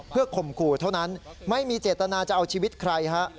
เพื่อข่มขู่เท่านั้นไม่มีเจตนาจะเอาชีวิตใครฮะ